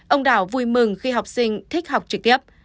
ông đảo vui mừng khi học sinh thích học trực tiếp